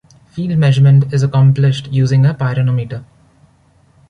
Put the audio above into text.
Field measurement is accomplished using a pyranometer.